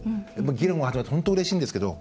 議論が始まって本当うれしいんですけど。